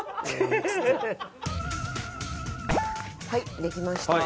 はいできました。